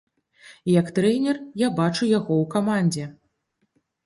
Як трэнер я бачу яго ў камандзе.